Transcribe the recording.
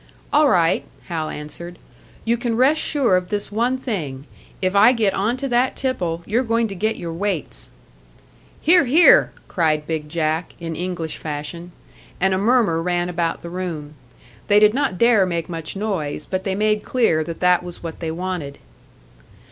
"All right," Hal answered. "You can rest sure of this one thing if I get onto that tipple, you're going to get your weights!" "Hear, hear!" cried "Big Jack," in English fashion. And a murmur ran about the room. They did not dare make much noise, but they made clear that that was what they wanted.